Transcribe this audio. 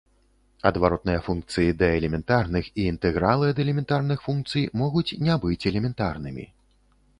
Адваротныя функцыі да элементарных і інтэгралы ад элементарных функцый могуць не быць элементарнымі.